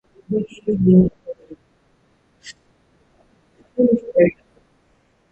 The colonists were allowed to maintain their customs and use of the French language.